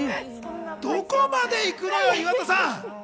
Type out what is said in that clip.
どこまで行くのよ、岩田さん！